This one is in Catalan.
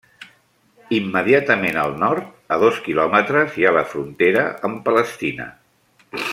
Immediatament al nord, a dos quilòmetres, hi ha la frontera amb Palestina.